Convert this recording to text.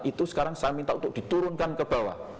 itu sekarang saya minta untuk diturunkan ke bawah